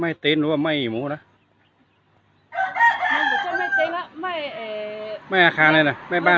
มันก็จะไม่เต็มไม่อาคารเลยนะไม่บ้าน